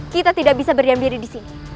kita tidak bisa berdiam diam disini